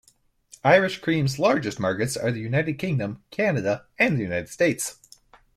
Irish cream's largest markets are the United Kingdom, Canada, and the United States.